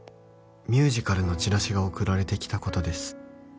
「ミュージカルのチラシが送られてきたことです」